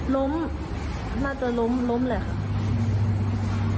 ล้มน่าจะล้มเลยฮะ